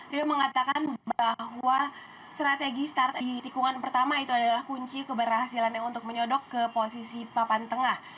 dia mengatakan bahwa strategi start di tikungan pertama itu adalah kunci keberhasilannya untuk menyodok ke posisi papan tengah